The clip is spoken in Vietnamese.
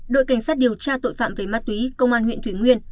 đội cảnh sát điều tra tội phạm về ma túy công an huyện thủy nguyên